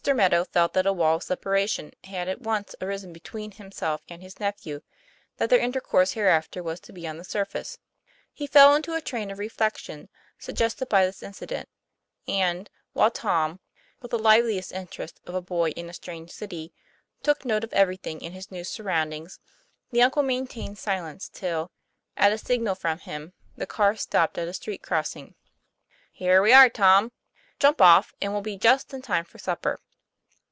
Meadow felt that a wall of separation had at once arisen between himself and his nephew; that their intercourse hereafter was to be on the surface. He fell into a train of reflection suggested by this incident, and, while Tom, with the lively interest of a boy in a strange city, took note of everything in his new surroundings, the uncle maintained silence till, at a signal from him, the car stopped at a street crossing. 'Here we are, Tom; jump off, and we'll be just in time for supper."